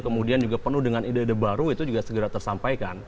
kemudian juga penuh dengan ide ide baru itu juga segera tersampaikan